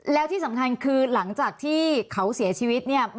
แล้วที่สำคัญคือหลังจากที่เขาเสียชีวิตเนี่ย